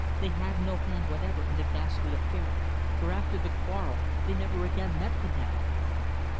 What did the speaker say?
They had no hand whatever in the ghastly affair, for after the quarrel they never again met Madame.